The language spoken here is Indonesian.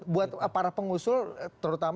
buat para pengusul terutama